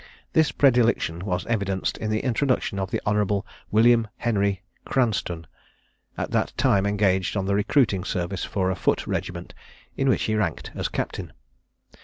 This predilection was evidenced in the introduction of the Hon. William Henry Cranstoun, at that time engaged on the recruiting service for a foot regiment, in which he ranked as captain.